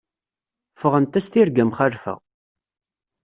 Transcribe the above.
Ffɣent-as tirga mxalfa.